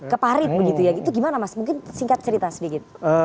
ke parit begitu ya itu gimana mas mungkin singkat cerita sedikit